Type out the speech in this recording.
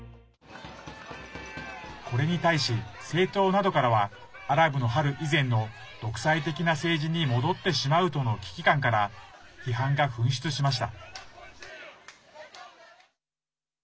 これに対し政党などからはアラブの春以前の独裁的な政治に戻ってしまうとの危機感から批判が噴出しました。